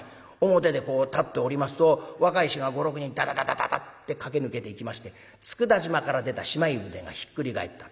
表でこう立っておりますと若い衆が５６人ダダダダダダって駆け抜けていきまして「佃島から出たしまい舟がひっくり返った。